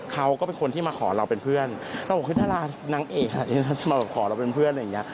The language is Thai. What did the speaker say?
เขาก็เป็นคนที่มาขอเราเป็นเพื่อนเราบอกว่าคุณธรานางเอกมาขอเราเป็นเพื่อนอะไรอย่างนี้